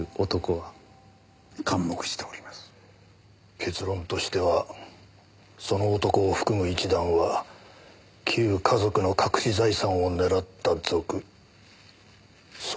結論としてはその男を含む一団は旧華族の隠し財産を狙った賊そういう事だね？